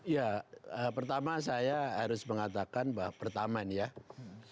ya pertama saya harus mengatakan bahwa pertamanya ya